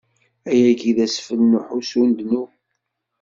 Ayagi d asfel n uḥussu n ddnub.